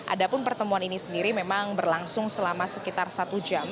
adapun pertemuan ini sendiri memang berlangsung selama sekitar satu jam